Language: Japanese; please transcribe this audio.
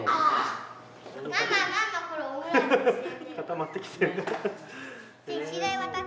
固まってきてる。